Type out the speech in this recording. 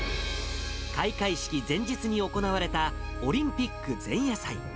開会式前日に行われた、オリンピック前夜祭。